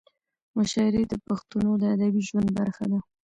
مشاعرې د پښتنو د ادبي ژوند برخه ده.